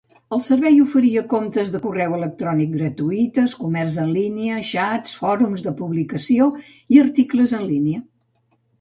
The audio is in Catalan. El servei oferia comptes de correu electrònic gratuïtes, comerç en línia, xats, fòrums de publicació i articles en línia.